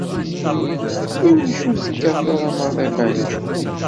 Iwacu ur tekkateḍ ara maḍi abanǧu?